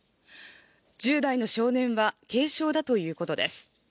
１０代の少年は軽傷だということです。